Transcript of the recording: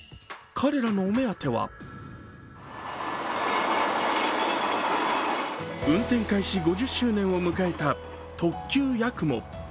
彼らのお目当ては運転開始５０周年を迎えた特急やくも。